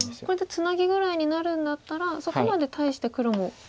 これでツナギぐらいになるんだったらそこまで大して黒も。